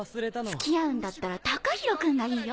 付き合うんだったら隆弘君がいいよ！